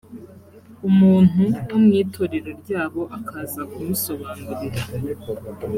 umuntu wo mu itorero ryabo akaza kumusobanurira